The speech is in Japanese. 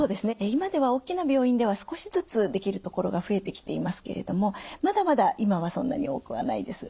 今では大きな病院では少しずつできる所が増えてきていますけれどもまだまだ今はそんなに多くはないです。